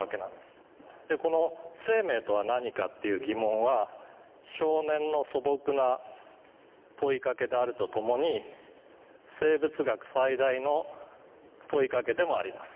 この生命とは何かっていう疑問は少年の素朴な問いかけであるとともに生物学最大の問いかけでもあります。